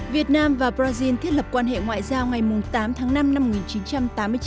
việt nam và brazil thiết lập quan hệ ngoại giao ngày tám tháng năm năm một nghìn chín trăm tám mươi chín